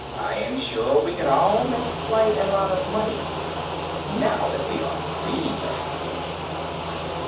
"I am sure we could all make quite a lot of money, now that we are freedmen."